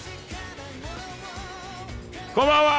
こんばんは。